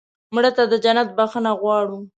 مړه ته د جنت بښنه غواړو